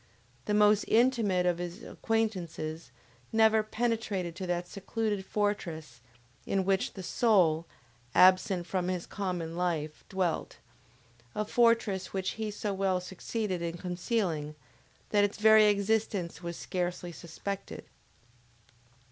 The most intimate of his acquaintances never penetrated to that secluded fortress in which the soul, absent from his common life, dwelt; a fortress which he so well succeeded in concealing, that its very existence was scarcely suspected.